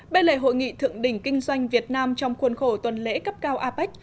bên lề hội nghị thượng đỉnh kinh doanh việt nam trong khuôn khổ tuần lễ cấp cao apec